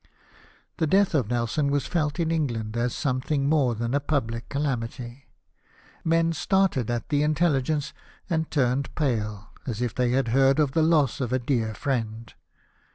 The death of Nelson was felt in England as some thing more than a public calamity ; men started at the intelligence, and turned pale, as if they had heard of the loss of a dear friend.